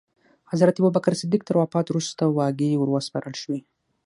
حضرت ابوبکر صدیق تر وفات وروسته واګې وروسپارل شوې.